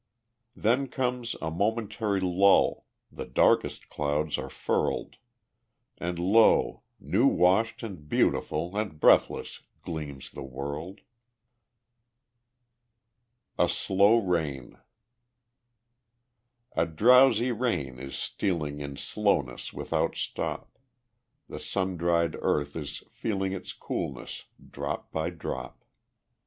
Then comes a momentary lull, The darkest clouds are furled, And lo, new washed and beautiful And breathless gleams the world. A Slow Rain A drowsy rain is stealing In slowness without stop; The sun dried earth is feeling Its coolness, drop by drop.